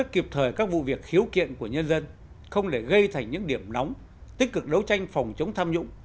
kịp thời các vụ việc khiếu kiện của nhân dân không để gây thành những điểm nóng tích cực đấu tranh phòng chống tham nhũng